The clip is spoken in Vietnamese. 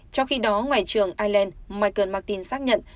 trong khi đó ngoại trưởng ireland michael martin xác nhận